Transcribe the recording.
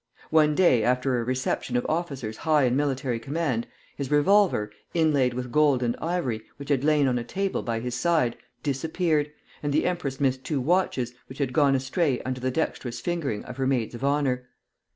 One day, after a reception of officers high in military command, his revolver, inlaid with gold and ivory, which had lain on a table by his side, disappeared, and the empress missed two watches, which had gone astray under the dexterous fingering of her maids of honor.